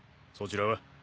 そちらは？